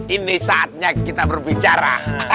ini saatnya kita berbicara